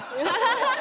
ハハハハ！